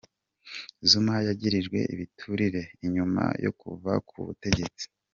Zuma yagirijwe ibiturire inyuma yo kuva ku butegetsi.